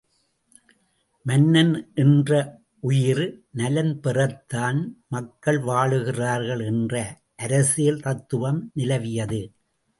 மன்னன் என்ற உயிர், நலன் பெறத்தான் மக்கள் வாழுகிறார்கள் என்ற அரசியல் தத்துவம் நிலவியது!